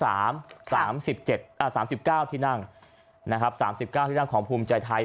๓๗อ่า๓๙ที่นั่งนะครับ๓๙ที่นั่งของภูมิใจไทย